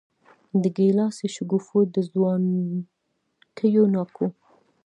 د ګیلاسي شګوفو د ځوانکیو ناکو